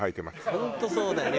本当そうだよね。